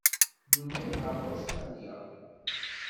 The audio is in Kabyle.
Yunag ɣer Ustṛalya.